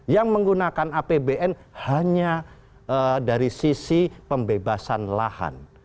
yang menggunakan apbn hanya dari sisi pembebasan lahan